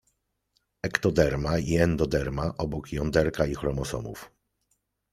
Ektoderma i endoderma obok jąderka i chromosomów.